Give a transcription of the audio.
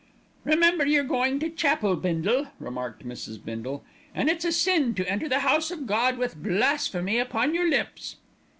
"Remember you're going to chapel, Bindle," remarked Mrs. Bindle, "and it's a sin to enter the House of God with blasphemy upon your lips."